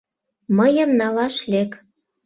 Мыйым налаш лек».